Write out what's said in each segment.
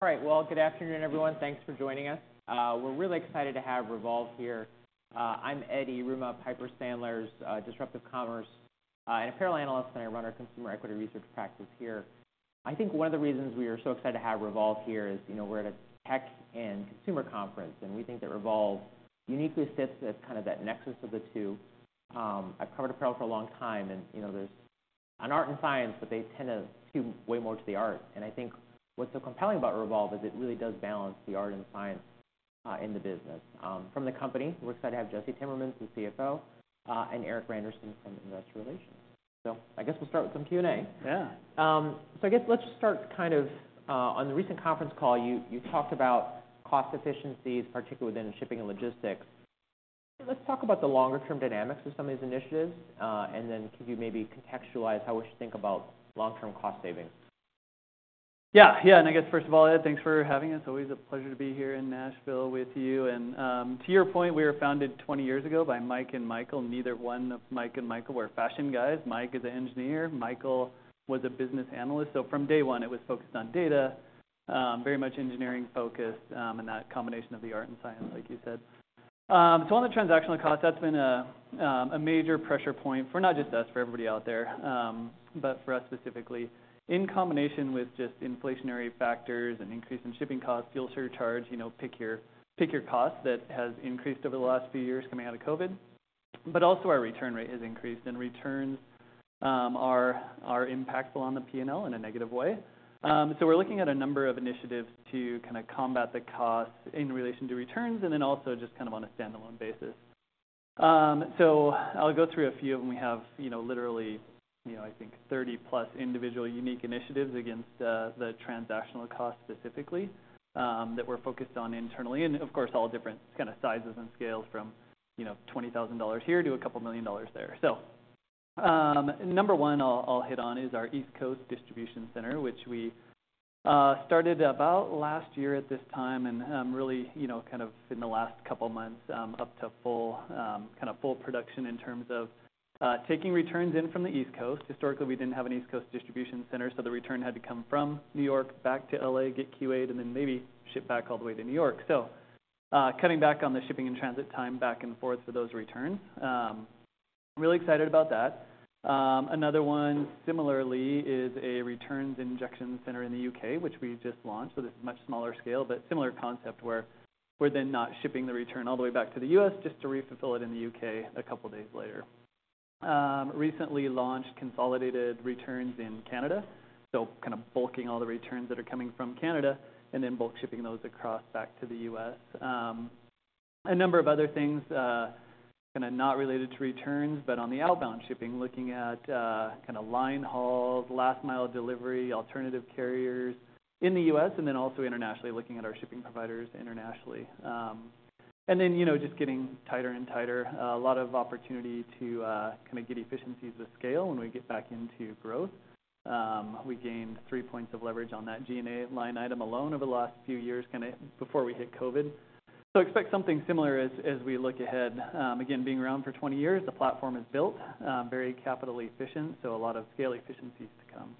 All right. Well, good afternoon, everyone. Thanks for joining us. We're really excited to have Revolve here. I'm Edward Yruma, Piper Sandler's Disruptive Commerce and Apparel Analyst, and I run our consumer equity research practice here. I think one of the reasons we are so excited to have Revolve here is, you know, we're at a tech and consumer conference, and we think that Revolve uniquely sits at kind of that nexus of the two. I've covered apparel for a long time, and, you know, there's an art and science, but they tend to skew way more to the art. And I think what's so compelling about Revolve is it really does balance the art and science in the business. From the company, we're excited to have Jesse Timmermans, the CFO, and Erik Randerson from Investor Relations. I guess we'll start with some Q&A. Yeah. On the recent conference call, you talked about cost efficiencies, particularly within shipping and logistics. Let's talk about the longer term dynamics of some of these initiatives, and then could you maybe contextualize how we should think about long-term cost savings? Yeah. Yeah, and I guess first of all, Ed, thanks for having us. Always a pleasure to be here in Nashville with you. And, to your point, we were founded 20 years ago by Mike and Michael. Neither one of Mike and Michael were fashion guys. Mike is an engineer, Michael was a business analyst. So from day one, it was focused on data, very much engineering focused, and that combination of the art and science, like you said. So on the transactional cost, that's been a major pressure point for not just us, for everybody out there, but for us specifically, in combination with just inflationary factors and increase in shipping costs, fuel surcharge, you know, pick your cost that has increased over the last few years coming out of COVID. But also our return rate has increased, and returns are impactful on the P&L in a negative way. So we're looking at a number of initiatives to kind of combat the cost in relation to returns and then also just kind of on a standalone basis. So I'll go through a few of them. We have, you know, literally, you know, I think 30+ individual unique initiatives against the transactional cost specifically that we're focused on internally, and of course, all different kind of sizes and scales from, you know, $20,000 here to a couple million dollars there. So, number one I'll hit on is our East Coast distribution center, which we started about last year at this time, and really, you know, kind of in the last couple of months, up to full kind of full production in terms of taking returns in from the East Coast. Historically, we didn't have an East Coast distribution center, so the return had to come from New York back to L.A., get QA'd, and then maybe ship back all the way to New York. So, cutting back on the shipping and transit time back and forth for those returns. Really excited about that. Another one, similarly, is a returns injection center in the U.K., which we just launched. So this is much smaller scale, but similar concept, where we're then not shipping the return all the way back to the U.S. just to refulfill it in the U.K. a couple of days later. Recently launched consolidated returns in Canada, so kind of bulking all the returns that are coming from Canada and then bulk shipping those across back to the U.S. A number of other things, kind of not related to returns, but on the outbound shipping, looking at, kind of line hauls, last mile delivery, alternative carriers in the U.S., and then also internationally, looking at our shipping providers internationally. And then, you know, just getting tighter and tighter. A lot of opportunity to, kind of get efficiencies of scale when we get back into growth. We gained three points of leverage on that G&A line item alone over the last few years, kind of before we hit COVID. So expect something similar as we look ahead. Again, being around for 20 years, the platform is built very capital efficient, so a lot of scale efficiencies to come.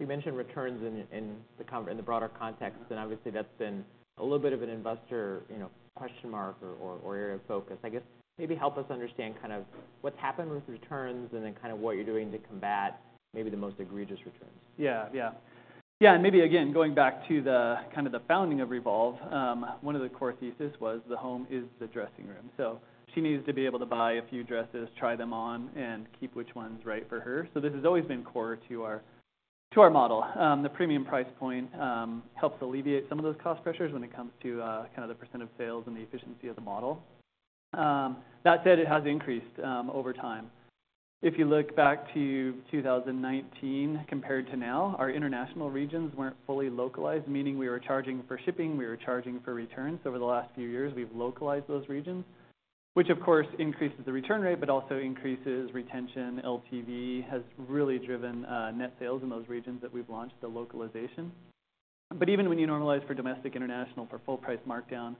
You mentioned returns in the broader context, and obviously, that's been a little bit of an investor, you know, question mark or area of focus. I guess maybe help us understand kind of what's happened with returns and then kind of what you're doing to combat maybe the most egregious returns. Yeah. Yeah. Yeah, and maybe again, going back to the kind of the founding of Revolve, one of the core thesis was the home is the dressing room. So she needs to be able to buy a few dresses, try them on, and keep which one's right for her. So this has always been core to our, to our model. The premium price point helps alleviate some of those cost pressures when it comes to kind of the percent of sales and the efficiency of the model. That said, it has increased over time. If you look back to 2019 compared to now, our international regions weren't fully localized, meaning we were charging for shipping, we were charging for returns. Over the last few years, we've localized those regions, which of course increases the return rate, but also increases retention. LTV has really driven, net sales in those regions that we've launched the localization. But even when you normalize for domestic, international, for full price markdown,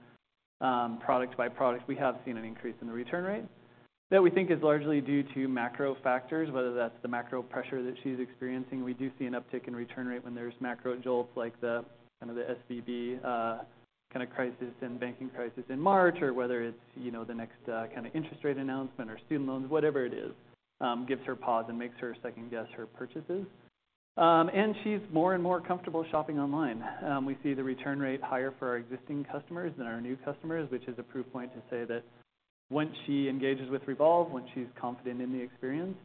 product by product, we have seen an increase in the return rate that we think is largely due to macro factors, whether that's the macro pressure that she's experiencing. We do see an uptick in return rate when there's macro jolts, like the kind of the SVB kind of crisis and banking crisis in March, or whether it's, you know, the next kind of interest rate announcement or student loans, whatever it is, gives her pause and makes her second-guess her purchases. And she's more and more comfortable shopping online. We see the return rate higher for our existing customers than our new customers, which is a proof point to say that once she engages with Revolve, once she's confident in the experience,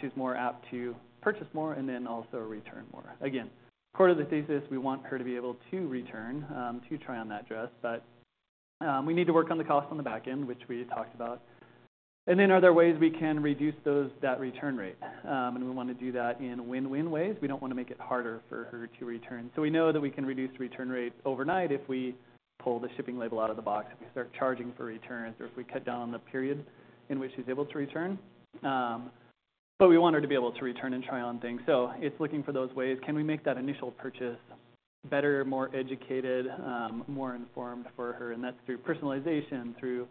she's more apt to purchase more and then also return more. Again, part of the thesis, we want her to be able to return to try on that dress, but we need to work on the cost on the back end, which we talked about. And then are there ways we can reduce that return rate? And we want to do that in win-win ways. We don't want to make it harder for her to return. So we know that we can reduce return rate overnight if we pull the shipping label out of the box, if we start charging for returns, or if we cut down on the period in which she's able to return. But we want her to be able to return and try on things. So it's looking for those ways. Can we make that initial purchase better, more educated, more informed for her? And that's through personalization, through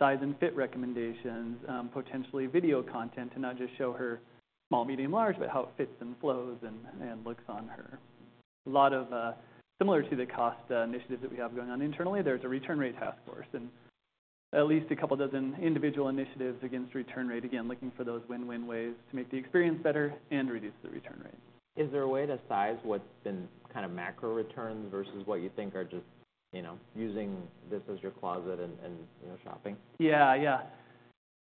size and fit recommendations, potentially video content to not just show her small, medium, large, but how it fits and flows and, and looks on her. A lot of similar to the cost initiatives that we have going on internally, there's a return rate task force and at least a couple dozen individual initiatives against return rate. Again, looking for those win-win ways to make the experience better and reduce the return rate. Is there a way to size what's been kind of macro returns versus what you think are just, you know, using this as your closet and you know, shopping? Yeah, yeah.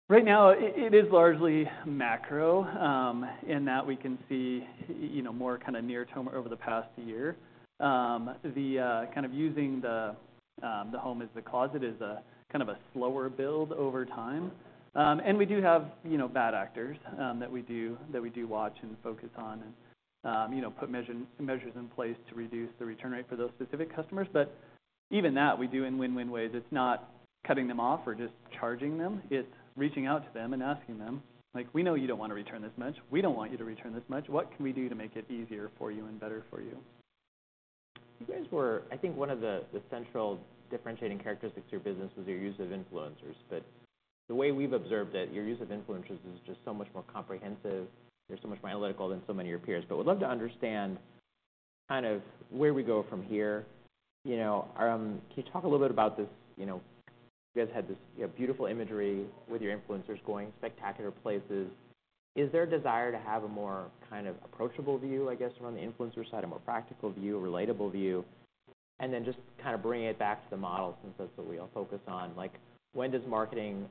Right now, it is largely macro, in that we can see, you know, more kind of near term over the past year. The kind of using the home as the closet is a kind of a slower build over time. And we do have, you know, bad actors, that we watch and focus on and, you know, put measures in place to reduce the return rate for those specific customers. But even that we do in win-win ways. It's not cutting them off or just charging them. It's reaching out to them and asking them, like: "We know you don't want to return this much. We don't want you to return this much. What can we do to make it easier for you and better for you? You guys were. I think one of the central differentiating characteristics of your business was your use of influencers, but the way we've observed it, your use of influencers is just so much more comprehensive, they're so much more analytical than so many of your peers. But we'd love to understand kind of where we go from here. You know, can you talk a little bit about this, you know, you guys had this, you know, beautiful imagery with your influencers going spectacular places. Is there a desire to have a more kind of approachable view, I guess, from the influencer side, a more practical view, a relatable view? And then just kind of bringing it back to the model, since that's what we all focus on, like, when does marketing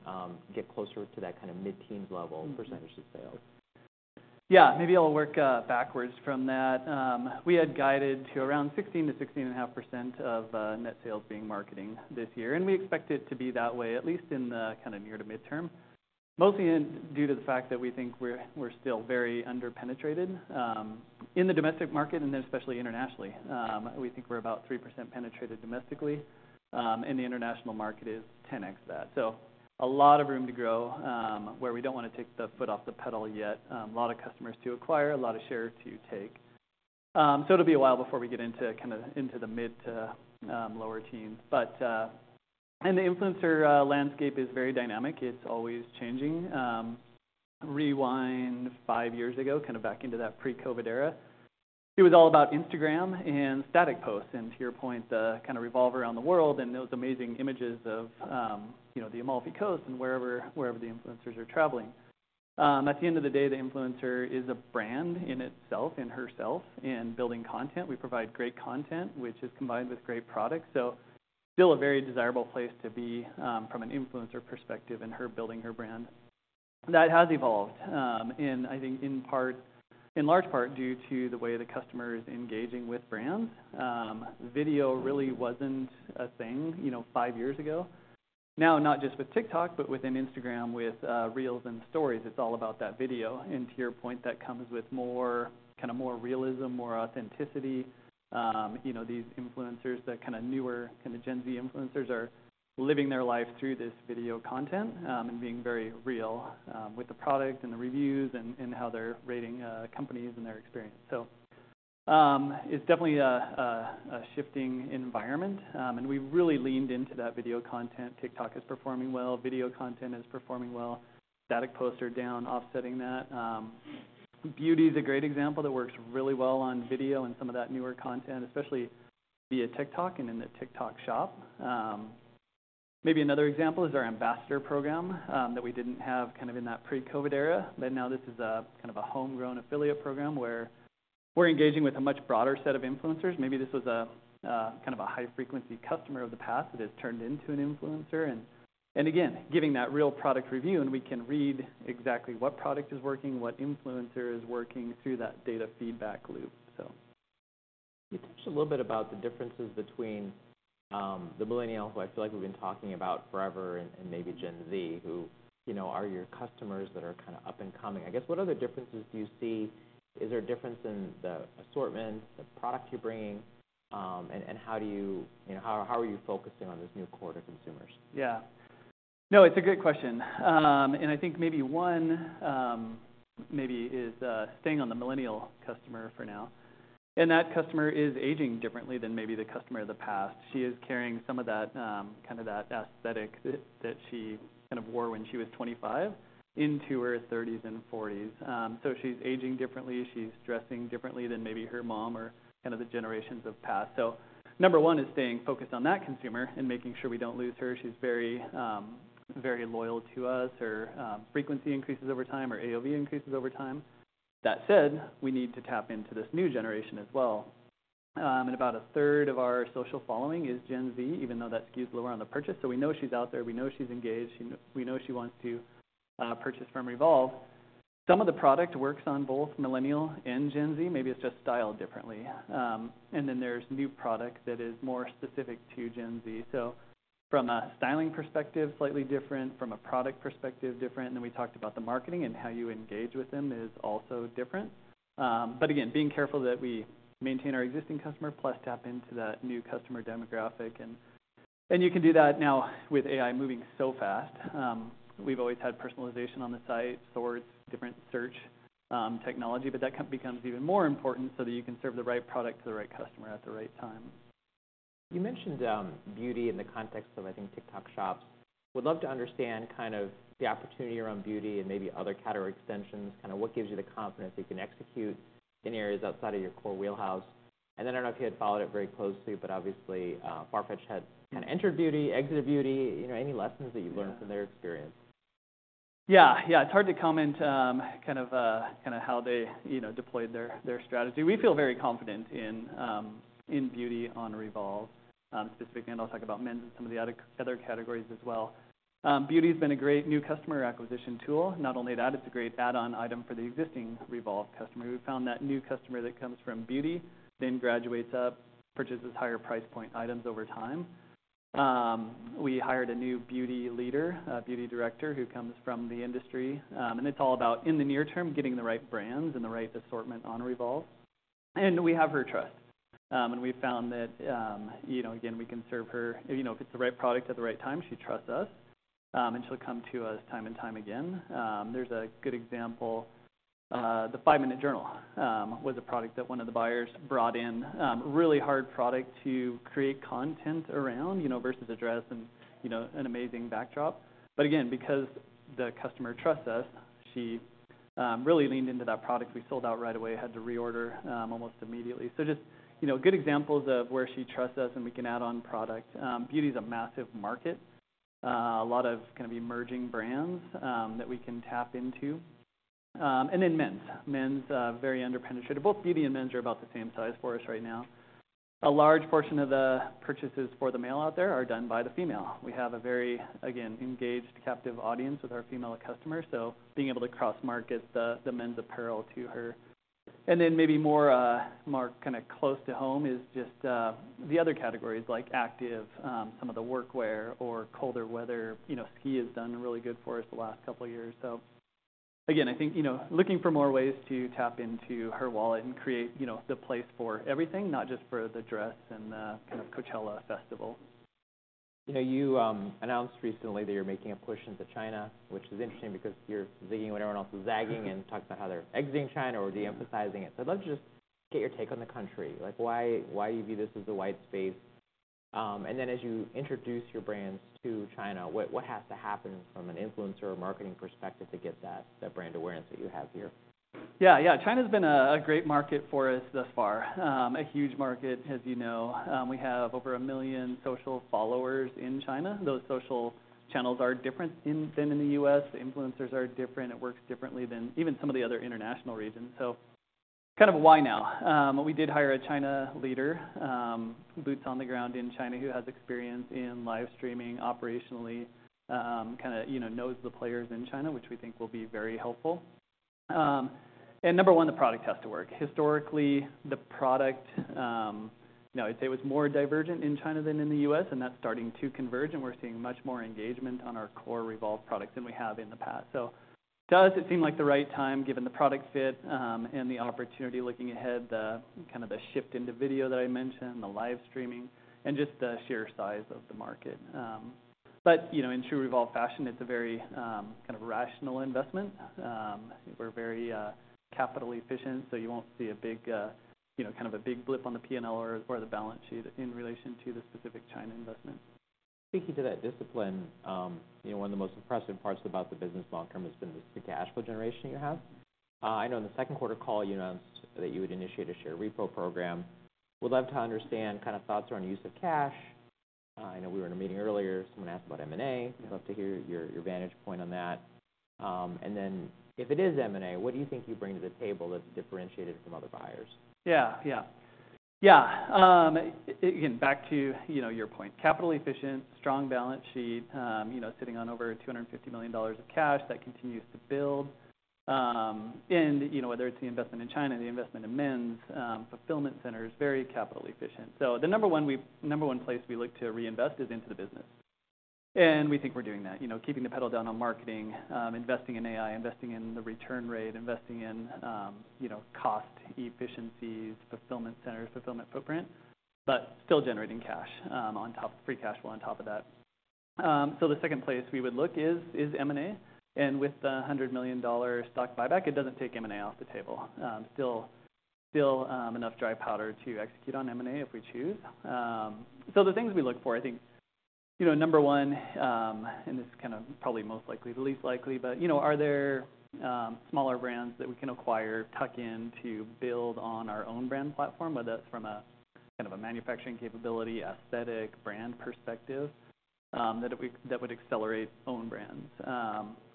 get closer to that kind of mid-teens level- Mm-hmm Percentage of sales? Yeah, maybe I'll work backwards from that. We had guided to around 16%-16.5% of net sales being marketing this year, and we expect it to be that way, at least in the kind of near- to midterm. Mostly due to the fact that we think we're still very underpenetrated in the domestic market and then especially internationally. We think we're about 3% penetrated domestically, and the international market is 10x that. So a lot of room to grow, where we don't want to take the foot off the pedal yet. A lot of customers to acquire, a lot of share to take. So it'll be a while before we get into kind of into the mid- to lower teens. But... and the influencer landscape is very dynamic. It's always changing. Rewind five years ago, kind of back into that pre-COVID era, it was all about Instagram and static posts, and to your point, kind of revolve around the world and those amazing images of, you know, the Amalfi Coast and wherever the influencers are traveling. At the end of the day, the influencer is a brand in itself, in herself, in building content. We provide great content, which is combined with great products, so still a very desirable place to be, from an influencer perspective and her building her brand. That has evolved, and I think in part, in large part, due to the way the customer is engaging with brands. Video really wasn't a thing, you know, five years ago. Now, not just with TikTok, but within Instagram, with Reels and Stories, it's all about that video. To your point, that comes with more kind of more realism, more authenticity. You know, these influencers, that kind of newer, kind of Gen Z influencers, are living their life through this video content, and being very real with the product and the reviews and how they're rating companies and their experience. So, it's definitely a shifting environment, and we've really leaned into that video content. TikTok is performing well, video content is performing well. Static posts are down, offsetting that. Beauty is a great example that works really well on video and some of that newer content, especially via TikTok and in the TikTok Shop. Maybe another example is our ambassador program that we didn't have kind of in that pre-COVID era, but now this is a kind of a homegrown affiliate program where we're engaging with a much broader set of influencers. Maybe this was a kind of a high-frequency customer of the past that has turned into an influencer. And again, giving that real product review, and we can read exactly what product is working, what influencer is working through that data feedback loop, so... You touched a little bit about the differences between the Millennial, who I feel like we've been talking about forever, and maybe Gen Z, who, you know, are your customers that are kind of up and coming. I guess, what other differences do you see? Is there a difference in the assortment, the product you're bringing? And how do you-- You know, how are you focusing on these younger consumers? Yeah. No, it's a good question. And I think maybe one is staying on the Millennial customer for now, and that customer is aging differently than maybe the customer of the past. She is carrying some of that kind of that aesthetic that, that she kind of wore when she was 25 into her 30s and 40s. So she's aging differently, she's dressing differently than maybe her mom or kind of the generations of past. So number one is staying focused on that consumer and making sure we don't lose her. She's very, very loyal to us. Her frequency increases over time, her AOV increases over time. That said, we need to tap into this new generation as well. And about a third of our social following is Gen Z, even though that skews lower on the purchase. So we know she's out there, we know she's engaged, we know she wants to purchase from Revolve. Some of the product works on both Millennial and Gen Z, maybe it's just styled differently. And then there's new product that is more specific to Gen Z. So from a styling perspective, slightly different, from a product perspective, different, and then we talked about the marketing and how you engage with them is also different. But again, being careful that we maintain our existing customer plus tap into that new customer demographic. And you can do that now with AI moving so fast. We've always had personalization on the site, different search technology, but that becomes even more important so that you can serve the right product to the right customer at the right time. You mentioned, beauty in the context of, I think, TikTok shops. Would love to understand kind of the opportunity around beauty and maybe other category extensions, kind of what gives you the confidence you can execute in areas outside of your core wheelhouse. And then I don't know if you had followed it very closely, but obviously, Farfetch had kind of entered beauty, exited beauty. You know, any lessons that you've learned? Yeah From their experience? Yeah. Yeah, it's hard to comment, kind of, kind of how they, you know, deployed their, their strategy. We feel very confident in, in beauty on Revolve. Specifically, and I'll talk about men's and some of the other, other categories as well. Beauty has been a great new customer acquisition tool. Not only that, it's a great add-on item for the existing Revolve customer. We found that new customer that comes from beauty then graduates up, purchases higher price point items over time. We hired a new beauty leader, a beauty director, who comes from the industry. And it's all about, in the near term, getting the right brands and the right assortment on Revolve. And we have her trust. And we found that, you know, again, we can serve her... you know, if it's the right product at the right time, she trusts us, and she'll come to us time and time again. There's a good example, The Five Minute Journal, was a product that one of the buyers brought in. Really hard product to create content around, you know, versus a dress and, you know, an amazing backdrop. But again, because the customer trusts us, she really leaned into that product. We sold out right away, had to reorder, almost immediately. So just, you know, good examples of where she trusts us, and we can add on product. Beauty is a massive market. A lot of kind of emerging brands that we can tap into. And then men's. Men's very underpenetrated. Both beauty and men's are about the same size for us right now. A large portion of the purchases for the male out there are done by the female. We have a very, again, engaged, captive audience with our female customers, so being able to cross-market the men's apparel to her. And then maybe more kind of close to home is just the other categories, like active, some of the workwear or colder weather. You know, ski has done really good for us the last couple of years. So again, I think, you know, looking for more ways to tap into her wallet and create, you know, the place for everything, not just for the dress and kind of Coachella Festival. You know, you announced recently that you're making a push into China, which is interesting because you're zigging when everyone else is zagging and talking about how they're exiting China or de-emphasizing it. So I'd love to just get your take on the country. Like, why, why you view this as a wide space? And then as you introduce your brands to China, what, what has to happen from an influencer or marketing perspective to get that, that brand awareness that you have here? Yeah, yeah. China's been a great market for us thus far. A huge market, as you know. We have over a million social followers in China. Those social channels are different in than in the U.S. The influencers are different. It works differently than even some of the other international regions. So kind of why now? We did hire a China leader, boots on the ground in China, who has experience in live streaming operationally, kind of, you know, knows the players in China, which we think will be very helpful. And number one, the product has to work. Historically, the product, you know, I'd say, was more divergent in China than in the U.S., and that's starting to converge, and we're seeing much more engagement on our core Revolve products than we have in the past. So does it seem like the right time, given the product fit, and the opportunity looking ahead, the kind of shift into video that I mentioned, the live streaming, and just the sheer size of the market. But, you know, in true Revolve fashion, it's a very kind of rational investment. We're very capital efficient, so you won't see a big, you know, kind of a big blip on the P&L or the balance sheet in relation to the specific China investment. Speaking to that discipline, you know, one of the most impressive parts about the business long term has been the cash flow generation you have. I know in the second quarter call, you announced that you would initiate a share repo program. Would love to understand kind of thoughts around use of cash. I know we were in a meeting earlier, someone asked about M&A. I'd love to hear your, your vantage point on that. And then if it is M&A, what do you think you bring to the table that's differentiated from other buyers? Yeah, yeah. Yeah, again, back to, you know, your point. Capital efficient, strong balance sheet, you know, sitting on over $250 million of cash that continues to build. And, you know, whether it's the investment in China, the investment in men's, fulfillment centers, very capital efficient. So the number one place we look to reinvest is into the business, and we think we're doing that. You know, keeping the pedal down on marketing, investing in AI, investing in the return rate, investing in, you know, cost efficiencies, fulfillment centers, fulfillment footprint, but still generating cash, free cash flow on top of that. So the second place we would look is M&A, and with the $100 million stock buyback, it doesn't take M&A off the table. Still, enough dry powder to execute on M&A if we choose. So the things we look for, I think, you know, number one, and this is kind of probably most likely, the least likely, but, you know, are there smaller brands that we can acquire, tuck in to build on our own brand platform, whether that's from a kind of a manufacturing capability, aesthetic, brand perspective, that we—that would accelerate own brands?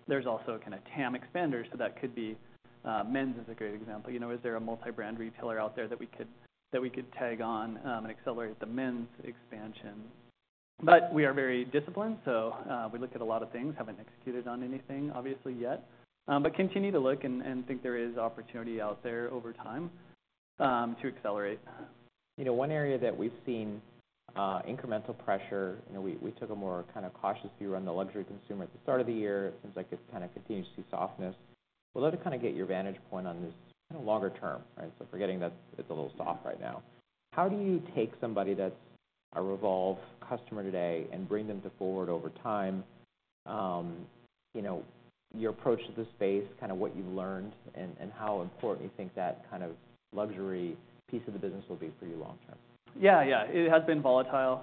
There's also a kind of TAM expanders, so that could be... men's is a great example. You know, is there a multi-brand retailer out there that we could, that we could tag on, and accelerate the men's expansion? But we are very disciplined, so we look at a lot of things. Haven't executed on anything, obviously, yet, but continue to look and think there is opportunity out there over time, to accelerate. You know, one area that we've seen incremental pressure, you know, we took a more kind of cautious view on the luxury consumer at the start of the year. It seems like it's kind of continuing to see softness. Would love to kind of get your vantage point on that. Kind of longer term, right? So forgetting that it's a little soft right now. How do you take somebody that's a Revolve customer today and bring them to FWRD over time? You know, your approach to the space, kind of what you've learned, and how important you think that kind of luxury piece of the business will be for you long term. Yeah. Yeah, it has been volatile,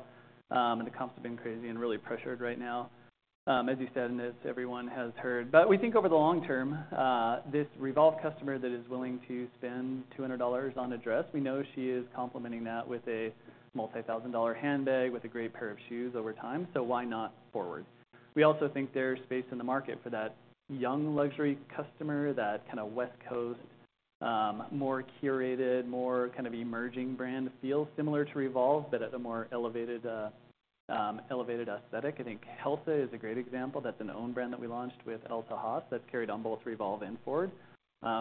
and the comps have been crazy and really pressured right now. As you said, and as everyone has heard. But we think over the long term, this Revolve customer that is willing to spend $200 on a dress, we know she is complementing that with a multi-thousand-dollar handbag, with a great pair of shoes over time, so why not FWRD? We also think there's space in the market for that young luxury customer, that kind of West Coast, more curated, more kind of emerging brand feel, similar to Revolve, but at a more elevated, elevated aesthetic. I think Elsa is a great example. That's an own brand that we launched with Elsa Hosk, that's carried on both Revolve and FWRD.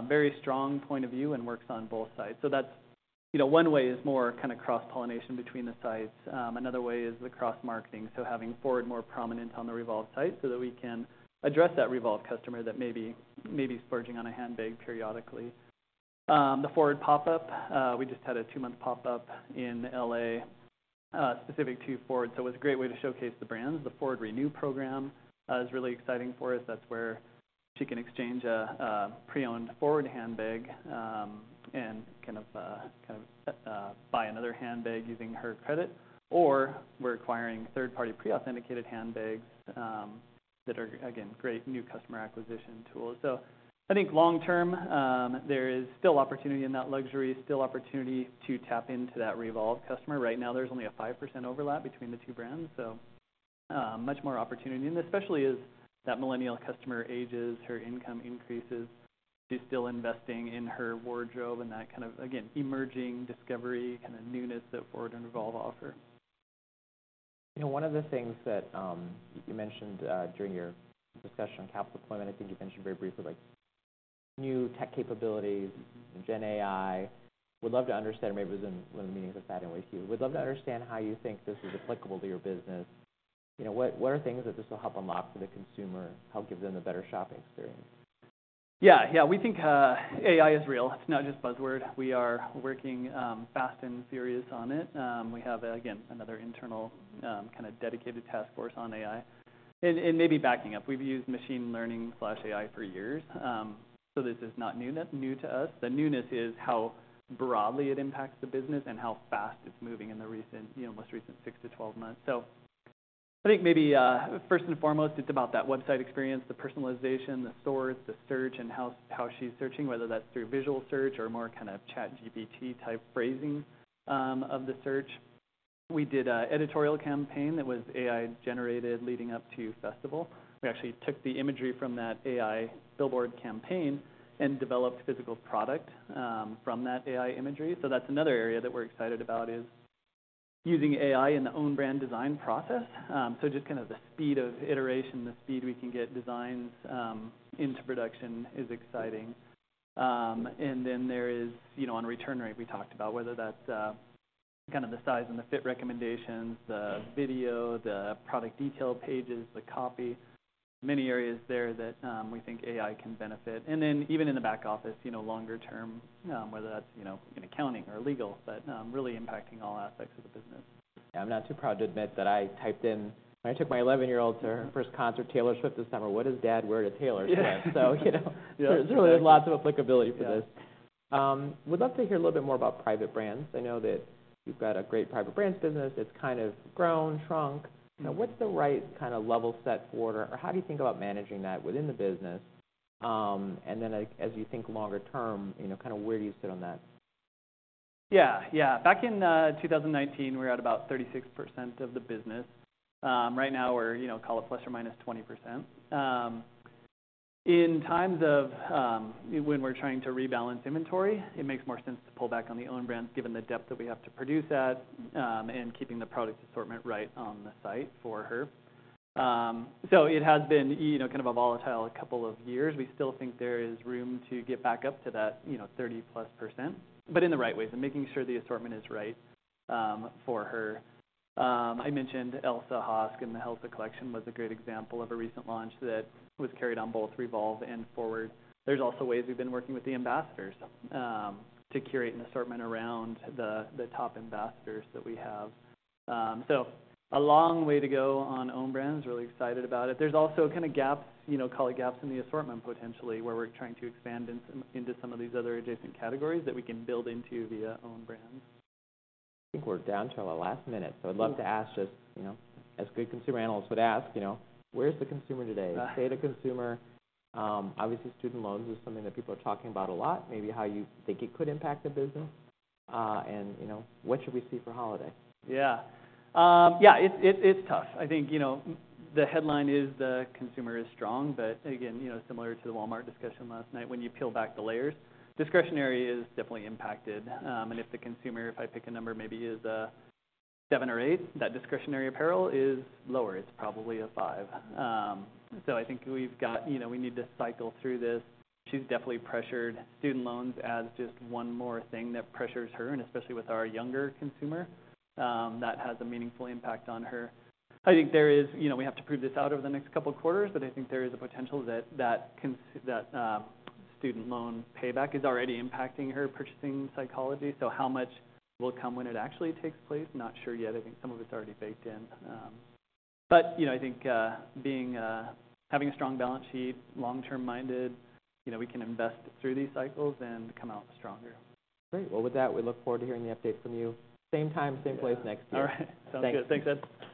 Very strong point of view and works on both sides. So that's, you know, one way is more kind of cross-pollination between the sides. Another way is the cross-marketing, so having FWRD more prominent on the Revolve site, so that we can address that Revolve customer that may be splurging on a handbag periodically. The FWRD pop-up, we just had a two-month pop-up in LA, specific to FWRD, so it was a great way to showcase the brands. The FWRD Renew program is really exciting for us. That's where she can exchange a pre-owned FWRD handbag and kind of buy another handbag using her credit, or we're acquiring third-party pre-authenticated handbags that are, again, great new customer acquisition tools. So I think long term, there is still opportunity in that luxury, still opportunity to tap into that Revolve customer. Right now, there's only a 5% overlap between the two brands, so, much more opportunity. And especially as that millennial customer ages, her income increases, she's still investing in her wardrobe and that kind of, again, emerging discovery, kind of newness that FWRD and Revolve offer. You know, one of the things that you mentioned during your discussion on capital deployment, I think you mentioned very briefly, like, new tech capabilities, Gen AI. Would love to understand, maybe it was in one of the meetings I've had with you. Would love to understand how you think this is applicable to your business. You know, what are things that this will help unlock for the consumer, help give them a better shopping experience? Yeah. Yeah, we think, AI is real. It's not just a buzzword. We are working, fast and furious on it. We have, again, another internal, kind of dedicated task force on AI. And, and maybe backing up, we've used Machine Learning/AI for years, so this is not new, new to us. The newness is how broadly it impacts the business and how fast it's moving in the recent, you know, most recent six to 12 months. So I think maybe, first and foremost, it's about that website experience, the personalization, the stores, the search, and how, how she's searching, whether that's through visual search or more kind of ChatGPT type phrasing, of the search. We did an editorial campaign that was AI-generated leading up to Festival. We actually took the imagery from that AI billboard campaign and developed physical product from that AI imagery. So that's another area that we're excited about, is using AI in the own brand design process. So just kind of the speed of iteration, the speed we can get designs into production is exciting. And then there is... you know, on return rate, we talked about whether that's kind of the size and the fit recommendations, the video, the product detail pages, the copy. Many areas there that we think AI can benefit. And then even in the back office, you know, longer term, whether that's, you know, in accounting or legal, but really impacting all aspects of the business. I'm not too proud to admit that I typed in-- When I took my eleven-year-old to her first concert, Taylor Swift, this summer: "What does dad wear to Taylor Swift? Yeah. You know, there's really lots of applicability for this. Yeah. Would love to hear a little bit more about private brands. I know that you've got a great private brands business. It's kind of grown, shrunk. Mm-hmm. Now, what's the right kind of level set for, or how do you think about managing that within the business? And then, like, as you think longer term, you know, kind of where do you sit on that? Yeah. Yeah. Back in 2019, we were at about 36% of the business. Right now we're, you know, call it ±20%. In times when we're trying to rebalance inventory, it makes more sense to pull back on the own brands, given the depth that we have to produce at, and keeping the product assortment right on the site for her. So it has been, you know, kind of a volatile couple of years. We still think there is room to get back up to that, you know, 30+%, but in the right ways, and making sure the assortment is right for her. I mentioned Elsa Hosk, and the Elsa collection was a great example of a recent launch that was carried on both Revolve and FWRD. There's also ways we've been working with the ambassadors to curate an assortment around the top ambassadors that we have. So a long way to go on own brands. Really excited about it. There's also kind of gaps, you know, call it gaps in the assortment, potentially, where we're trying to expand into some of these other adjacent categories that we can build into via own brands. I think we're down to our last minute, so I'd love to ask just, you know, as good consumer analysts would ask, you know, where's the consumer today? Uh. State of the consumer. Obviously, student loans is something that people are talking about a lot, maybe how you think it could impact the business, and, you know, what should we see for holiday? Yeah. Yeah, it's, it's, it's tough. I think, you know, the headline is: The consumer is strong. But again, you know, similar to the Walmart discussion last night, when you peel back the layers, discretionary is definitely impacted. And if the consumer, if I pick a number, maybe is a 7 or 8, that discretionary apparel is lower, it's probably a 5. So I think we've got. You know, we need to cycle through this. She's definitely pressured. Student loans adds just one more thing that pressures her, and especially with our younger consumer, that has a meaningful impact on her. I think there is. You know, we have to prove this out over the next couple of quarters, but I think there is a potential that student loan payback is already impacting her purchasing psychology. So how much will come when it actually takes place? Not sure yet. I think some of it's already baked in. But, you know, I think, having a strong balance sheet, long-term minded, you know, we can invest through these cycles and come out stronger. Great. Well, with that, we look forward to hearing the updates from you. Same time, same place next year. All right. Sounds good. Thank you. Thanks, Ed.